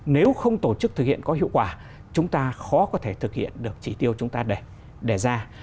nếu không tổ chức thực hiện có hiệu quả chúng ta khó có thể thực hiện được chỉ tiêu chúng ta để ra